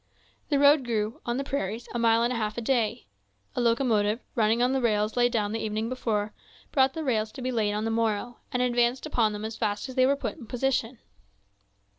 The road grew, on the prairies, a mile and a half a day. A locomotive, running on the rails laid down the evening before, brought the rails to be laid on the morrow, and advanced upon them as fast as they were put in position.